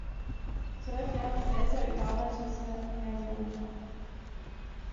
Zwölf Jahre später überarbeitete er die Oper.